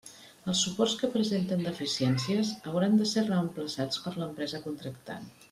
Els suports que presenten deficiències hauran de ser reemplaçats per l'empresa contractant.